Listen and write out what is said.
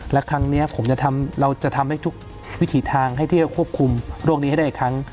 และครั้งนี้ผมเราจะทำให้ทุกวิถีทางให้ที่จะควบคุมโรคนี้ให้ได้อีกครั้ง